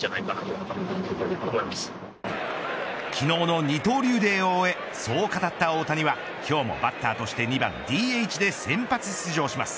昨日の二刀流デーを終えそう語った大谷は今日もバッターとして２番ＤＨで先発出場します。